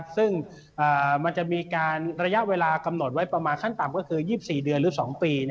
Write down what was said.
ซึ่งมันจะมีการระยะเวลากำหนดไว้ประมาณขั้นต่ำก็คือ๒๔เดือนหรือ๒ปี